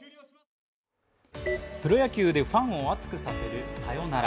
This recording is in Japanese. プロ野球でファンを熱くさせるサヨナラ。